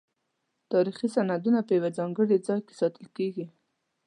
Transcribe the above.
تاریخي سندونه په یو ځانګړي ځای کې ساتل کیږي.